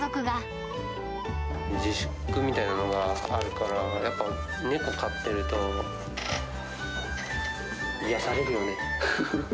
自粛みたいなのがあるから、やっぱ猫飼ってると、癒やされるよね。